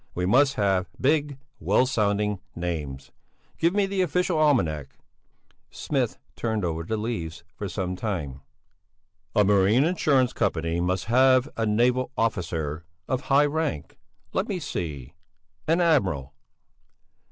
We must have big, well sounding names. Give me the official almanac." Smith turned over the leaves for some time. "A marine insurance company must have a naval officer of high rank. Let me see! An admiral."